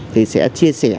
thì sẽ chia sẻ